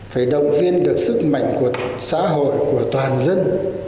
phải động viên được sức mạnh của xã hội của toàn dân